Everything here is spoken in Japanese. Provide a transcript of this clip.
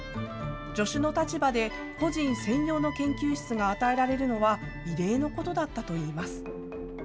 助手の立場で個人専用の研究室が与えられるのは、異例のことだったといいます。